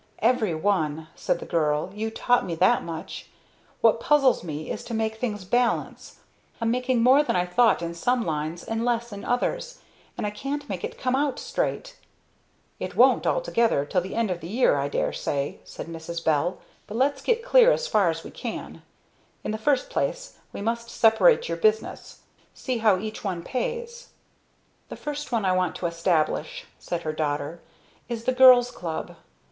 "Every one," said the girl. "You taught me that much. What puzzles me is to make things balance. I'm making more than I thought in some lines, and less in others, and I can't make it come out straight." "It won't, altogether, till the end of the year I dare say," said Mrs. Bell, "but let's get clear as far as we can. In the first place we must separate your business, see how much each one pays." "The first one I want to establish," said her daughter, "is the girl's club.